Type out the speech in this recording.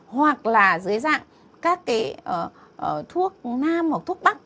hoặc là dưới dạng các cái thuốc nam hoặc thuốc bắc